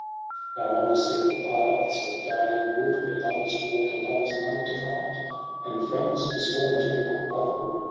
II * Now on the secret paths of dale and wood. Where lovers walk'd are lovers none to find : And friends, besworn to equal brotherhood.